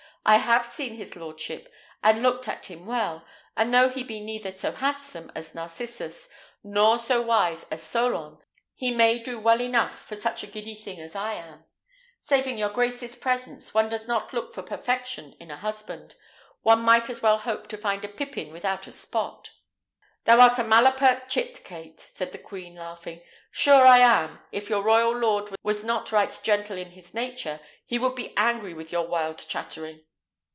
"I have seen his lordship, and looked at him well; and though he be neither so handsome as Narcissus nor so wise as Solon, he may do well enough for such a giddy thing as I am. Saving your grace's presence, one does not look for perfection in a husband: one might as well hope to find a pippin without a spot." "Thou art a malapert chit, Kate," said the queen, laughing; "sure I am, if your royal lord was not right gentle in his nature, he would be angry with your wild chattering."